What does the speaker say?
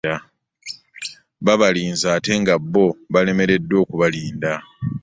Babalinza ate nga bbo balemereddwa okubalinda.